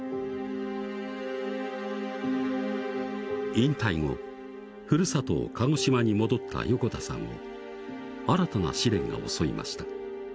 引退後ふるさと・鹿児島に戻った横田さんを新たな試練が襲いました